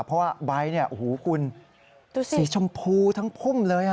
เพราะว่าใบนี้อูหูคุณสีชมพูทั้งพุ่มเลย